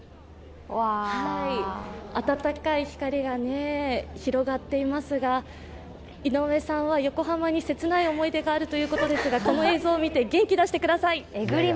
温かい光が広がっていますが井上さんは横浜に切ない思い出があるということですが、この映像を見て、元気を出してください。